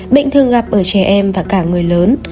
bệnh thường gặp ở trẻ em và cả người lớn